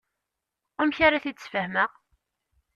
Amek ara t-id-sfehmeɣ?